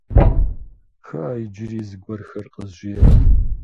Кхъыӏэ, иджыри зыгуэрхэр къызжеӏэ.